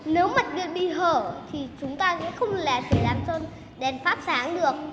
nếu mạch điện bị hở thì chúng ta sẽ không làm cho đèn phát sáng được